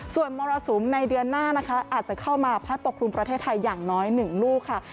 ส่วนมรสุมในเดือนหน้านะคะอาจจะเข้ามาพัดปกครุมประเทศไทยอย่างน้อย๑ลูกค่ะ